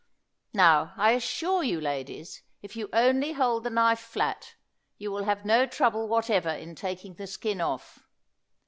Now, I assure you, ladies, if you only hold the knife flat, you will have no trouble whatever in taking the skin off.